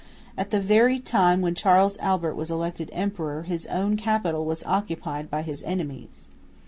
At the very time when Charles Albert was elected Emperor, his own capital was occupied by his enemies.